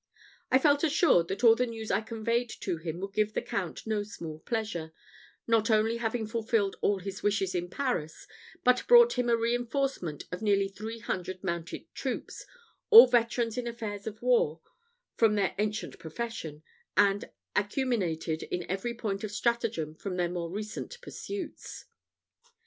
I felt assured that all the news I conveyed to him would give the Count no small pleasure, not only having fulfilled all his wishes in Paris, but brought him a reinforcement of nearly three hundred mounted troopers, all veterans in affairs of war from their ancient profession, and acuminated in every point of stratagem from their more recent pursuits.